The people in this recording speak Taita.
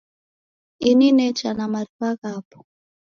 Ini necha na mari'wa ghapo.